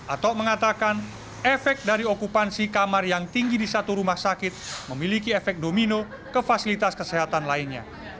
atok mengatakan efek dari okupansi kamar yang tinggi di satu rumah sakit memiliki efek domino ke fasilitas kesehatan lainnya